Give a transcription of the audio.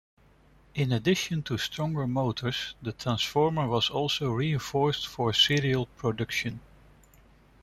In addition to stronger motors the transformer was also reinforced for serial production.